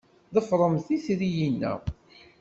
Ḍefremt itri-inna.